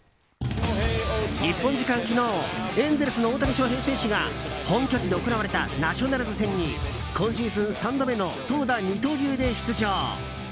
日本時間、昨日エンゼルスの大谷翔平選手が本拠地で行われたナショナルズ戦に今シーズン３度目の投打二刀流で出場。